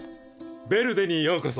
ヴェルデにようこそ。